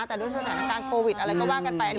แต่ด้วยสถานการณ์โควิดอะไรก็ว่ากันไป